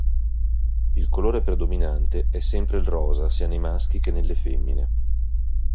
Il colore predominante è sempre il rosa, sia nei maschi che nelle femmine.